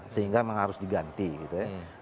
sehingga memang harus diganti gitu ya